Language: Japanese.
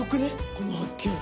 この発見。